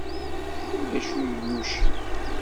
Ulac iyucen.